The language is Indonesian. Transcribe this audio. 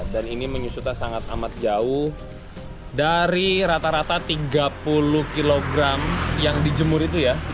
dan ini menyusutnya sangat amat jauh dari rata rata tiga puluh kilogram yang dijemur itu ya